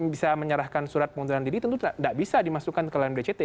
bisa menyerahkan surat pengunduran diri tentu tidak bisa dimasukkan ke dalam dct